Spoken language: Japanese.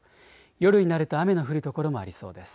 夜になると雨の降る所もありそうです。